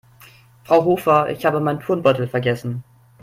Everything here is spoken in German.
Frau Hofer, ich habe meinen Turnbeutel vergessen.